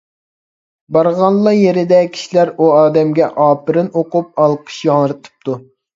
بارغانلا يېرىدە كىشىلەر ئۇ ئادەمگە ئاپىرىن ئوقۇپ، ئالقىش ياڭرىتىپتۇ.